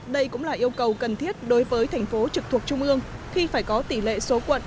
đây cũng là yêu cầu cần thiết đối với thành phố trực thuộc trung ương khi phải có tỷ lệ số quận